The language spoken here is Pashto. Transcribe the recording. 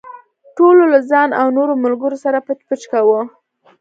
ټولو له ځان او نورو ملګرو سره پچ پچ کاوه.